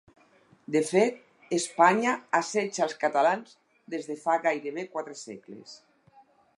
De fet, Espanya assetja els catalans des de fa gairebé quatre segles.